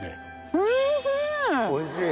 おいしい？